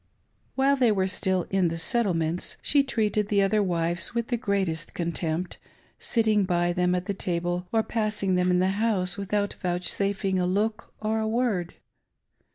While they were still in the Settlements, she treated the other wives with the greatest contempt, sitting by them at the table or passing them in the house without vouchsafing a lool? or a word.